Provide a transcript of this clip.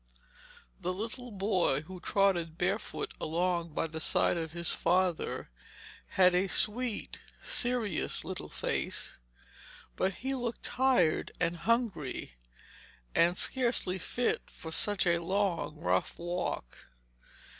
The little boy who trotted barefoot along by the side of his father had a sweet, serious little face, but he looked tired and hungry, and scarcely fit for such a long rough walk.